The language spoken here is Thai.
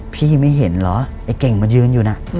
พี่ไม่เห็นเหรอไอ้เก่งมันยืนอยู่น่ะ